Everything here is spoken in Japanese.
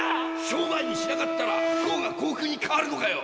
商売にしなかったら不幸が幸福に変わるのかよ！